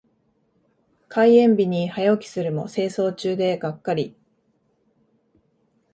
開園日に早起きするも清掃中でがっかり。